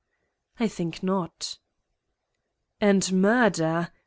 "I think not." "And murder